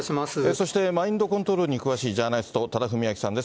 そして、マインドコントロールに詳しいジャーナリスト、多田文明さんです。